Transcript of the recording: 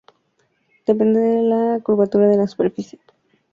Depende de la curvatura de la superficie E-k.